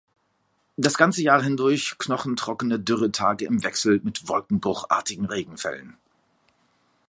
Das ganze Jahr hindurch knochentrockene Dürretage im Wechsel mit wolkenbruchartigen Regenfällen.